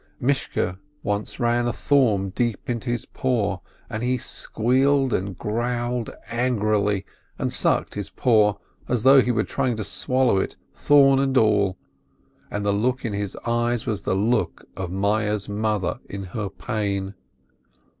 Mishke once ran a thorn deep into his paw, and he squealed and growled angrily, and sucked his paw, as though he were trying to swallow it, thorn and all, and the look in his eyes was the look of Meyerl's mother in her pain.